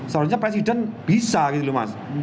seharusnya presiden bisa gitu loh mas